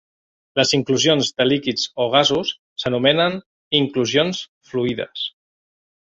Les inclusions de líquids o gasos s'anomenen inclusions fluides.